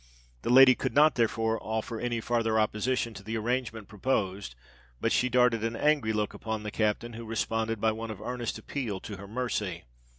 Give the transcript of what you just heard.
The lady could not, therefore, offer any farther opposition to the arrangement proposed; but she darted an angry look upon the captain, who responded by one of earnest appeal to her mercy.